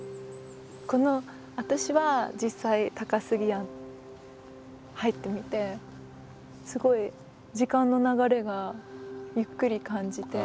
私は実際「高過庵」入ってみてすごい時間の流れがゆっくり感じて。